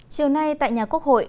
chiều nay tại nhà quốc hội